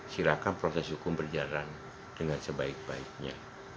silakan proses hukum berjalan dengan sebaik baiknya